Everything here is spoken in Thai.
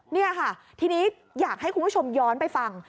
นี่ค่ะทีนี้อยากให้คุณผู้ชมย้อนไปฟัง